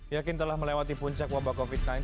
yakin telah melewati puncak wabah covid sembilan belas